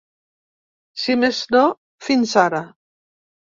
Si més no, fins ara.